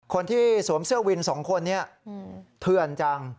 คนที่สวมเสื้อวินสองคนนี้เถื่อนจัง